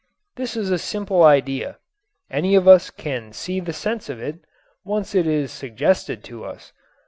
This is a simple idea. Any of us can see the sense of it once it is suggested to us.